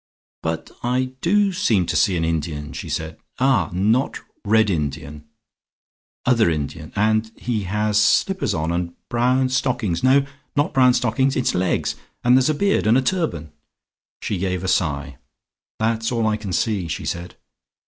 "But I do seem to see an Indian," she said. "Ah, not red Indian, other Indian. And and he has slippers on and brown stockings no, not brown stockings; it's legs. And there's a beard, and a turban." She gave a sigh. "That's all I can see," she said.